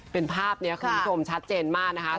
เป็นภาพนี้คุณผู้ชมชัดเจนมากนะคะ